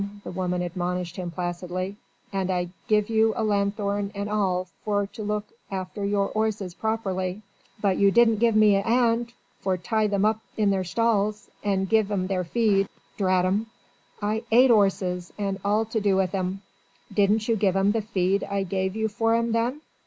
the woman admonished him placidly, "and I give you a lanthorn and all for to look after your 'orzes properly." "But you didn't give me a 'and for to tie 'em up in their stalls, and give 'em their feed. Drat 'em! I 'ate 'orzes and all to do with 'em." "Didn't you give 'em the feed I give you for 'em then?"